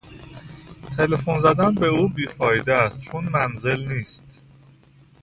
تلفن زدن به او بی فایده است چون منزل نیست.